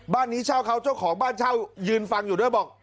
บ้านนี้เช่าเขาเจ้าของบ้านเช่ายืนฟังอยู่ด้วยบอก